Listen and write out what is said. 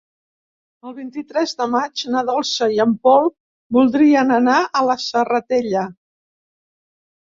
El vint-i-tres de maig na Dolça i en Pol voldrien anar a la Serratella.